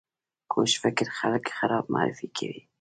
کوږ فکر خلک خراب معرفي کوي